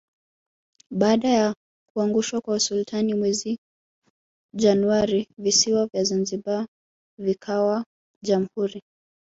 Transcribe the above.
Baada ya kuangushwa kwa usultani mwezi Januari visiwa vya zanzibar vikawa Jamhuri